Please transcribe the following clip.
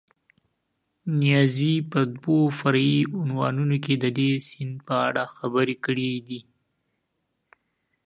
نیازي په دوو فرعي عنوانونو کې د دې سیند په اړه خبرې کړې دي.